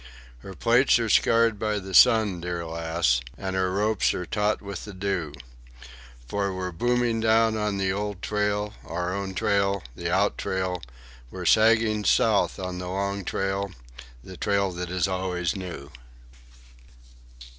Her plates are scarred by the sun, dear lass, And her ropes are taut with the dew, For we're booming down on the old trail, our own trail, the out trail, We're sagging south on the Long Trail—the trail that is always new.